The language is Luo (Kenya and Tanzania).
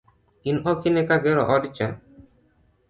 in okine ka agero odcha?